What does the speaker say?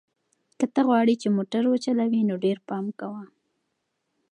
که ته غواړې چې موټر وچلوې نو ډېر پام کوه.